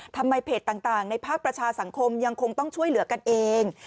เพจต่างในภาคประชาสังคมยังคงต้องช่วยเหลือกันเอง